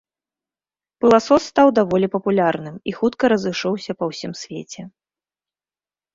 Пыласос стаў даволі папулярным і хутка разышоўся па ўсім свеце.